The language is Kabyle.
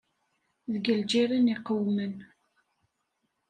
Deg lǧiran i qewmen.